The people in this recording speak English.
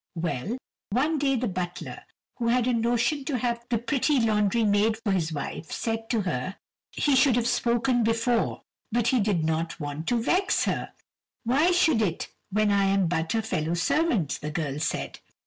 Well, one day the butler, who had a notion to have the pretty laundry maid for his wife, said to her, he should have spoken before but he did not want to vex her. "Why should it when I am but a fellow servant?" the girl said.